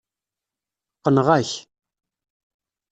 Qqneɣ-ak.